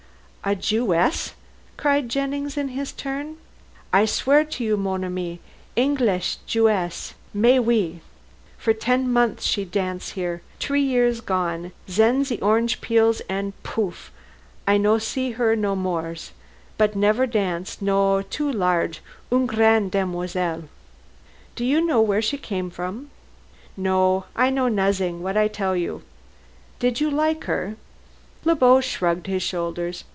"A Jewess?" cried Jennings in his turn. "I swear to you, mon ami. Englees Jewess, mais oui! For ten months she dance here, tree year gone. Zen zee orange peels and pouf! I see her no mores. But never dance no too large, une grande demoiselle." "Do you know where she came from?" "No. I know nozzin' but what I tell you." "Did you like her?" Le Beau shrugged his shoulders.